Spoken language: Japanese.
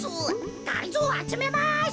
がりぞーあつめます！